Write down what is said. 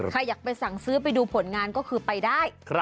ใครอยากไปสั่งซื้อไปดูผลงานก็คือไปได้